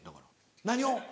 何を？